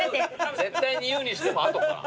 絶対に言うにしても後から。